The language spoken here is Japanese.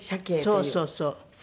そうそうそう。